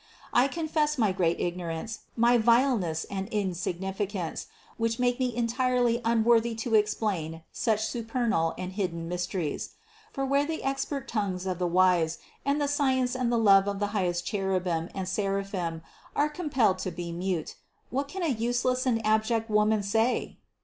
I confess my great ignorance, my vileness and insignificance, which make me entirely unworthy to ex plain such supernal and hidden mysteries. For where the expert tongues of the wise, and the science and the love of the highest cherubim and seraphim are compelled to be mute, what can a useless and abject woman say?